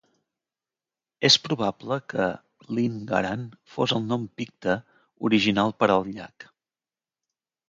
És probable que "Linn Garan" fos el nom picte original per al llac.